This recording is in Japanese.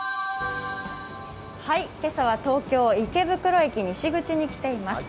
今朝は東京・池袋駅西口に来ています。